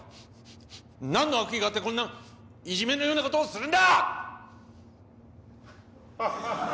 なんの悪意があってこんないじめのような事をするんだ！